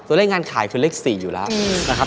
เลขงานขายคือเลข๔อยู่แล้วนะครับ